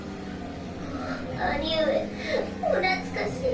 おお兄上お懐かしい。